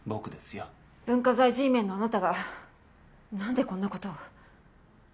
文化財Ｇメンのあなたがなんでこんな事を。